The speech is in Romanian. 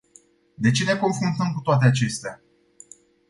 De ce ne confruntăm cu toate acestea?